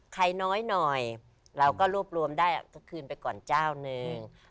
น้อยหน่อยเราก็รวบรวมได้ก็คืนไปก่อนเจ้าหนึ่ง